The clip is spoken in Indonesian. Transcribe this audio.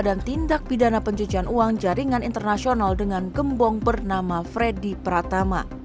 dan tindak pidana pencucian uang jaringan internasional dengan gembong bernama fredy pratama